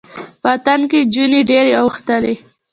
په اتڼ کې جونې ډیرې اوښتلې